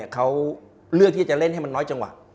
เขาเลือกที่จะเล่นให้มันน้อยจังหวะ